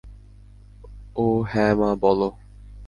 হ্যাঁ মা বলো!